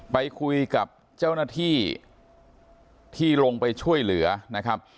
ไปคุยกับเจ้าหน้าที่ที่ลงไปช่วยเหลือนะครับ